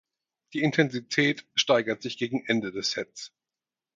Die Intensität steigert sich gegen Ende des Sets.